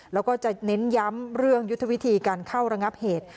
แล้วก็จะเน้นย้ำเรื่องยุทธวิธีการเข้าระงับเหตุ